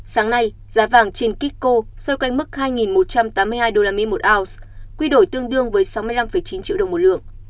sáng nay giá vàng trên kitco xoay quanh mức hai một trăm tám mươi hai usd một ounce quy đổi tương đương với sáu mươi năm chín triệu đồng một lượng